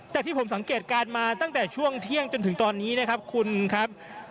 ที่ผมสังเกตการณ์มาตั้งแต่ช่วงเที่ยงจนถึงตอนนี้นะครับคุณครับ